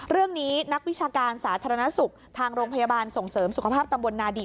นักวิชาการสาธารณสุขทางโรงพยาบาลส่งเสริมสุขภาพตำบลนาดี